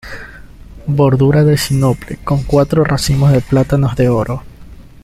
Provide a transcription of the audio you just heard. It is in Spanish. Bordura de sinople, con cuatro racimos de plátanos de oro.